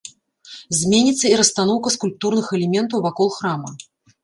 Зменіцца і расстаноўка скульптурных элементаў вакол храма.